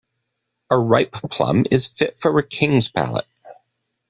A ripe plum is fit for a king's palate.